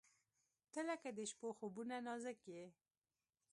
• ته لکه د شپو خوبونه نازک یې.